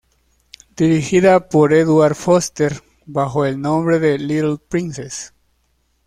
Dirigida por Edward Foster bajo el nombre Little Princess.